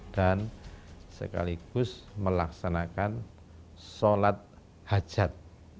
dan sekaligus melaksanakan sholat hajat